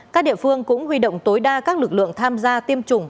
các địa phương cũng huy động tối đa các lực lượng tham gia tiêm chủng